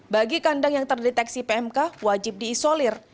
bagi kandang yang terdeteksi pmk wajib diisolir